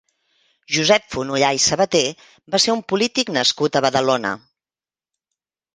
Josep Fonollà i Sabater va ser un polític nascut a Badalona.